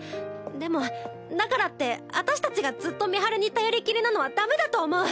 でもだからって私たちがずっと美晴に頼りっきりなのはダメだと思う。